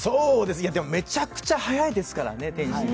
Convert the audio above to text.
でも、めちゃくちゃ速いですからね、天心選手。